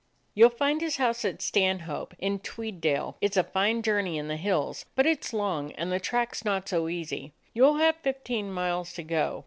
"You 'll find his house at Stanhope, in Tweeddale. It 's a fine journey in the hills, but it 's long, and the track is not so easy. You 'll have fifteen miles to go.